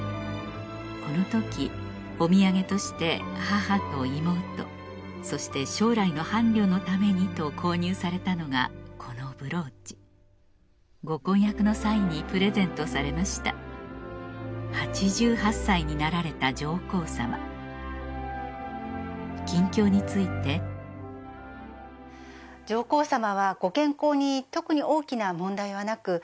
この時お土産として母と妹そして将来の伴侶のためにと購入されたのがこのブローチご婚約の際にプレゼントされました８８歳になられた上皇さま近況について魚類学者でもある上皇さま